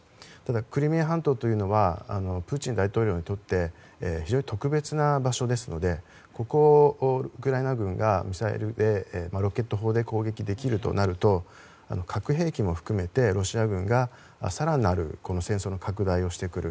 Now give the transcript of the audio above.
クリミア半島というのはプーチン大統領にとって非常に特別な場所ですのでここをウクライナ軍がロケット砲で攻撃できるとなると核兵器も含めてロシア軍が更なる戦争の拡大をしてくる。